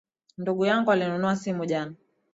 Ndugu yangu alinunua simu jana